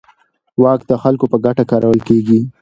واک د خلکو په ګټه کارول کېږي.